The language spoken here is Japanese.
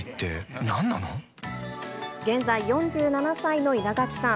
現在、４７歳の稲垣さん。